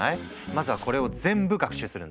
まずはこれを全部学習するんだ。